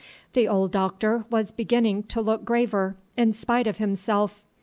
The old Doctor was beginning to look graver, in spite of himself.